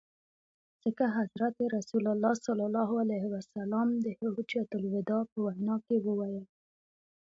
ځکه حضرت رسول ص د حجة الوداع په وینا کي وویل.